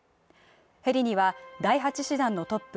ヘリには第８師団のトップ